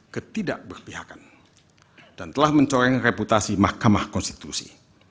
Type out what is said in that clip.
ketidakberpihakan dan telah mencoreng reputasi mahkamah konstitusi